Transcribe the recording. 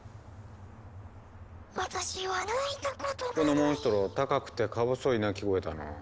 このモンストロ高くてかぼそい鳴き声だな。